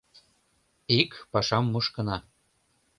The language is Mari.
Ик пашам мушкына.